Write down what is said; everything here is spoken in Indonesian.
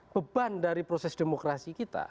beban dari proses demokrasi kita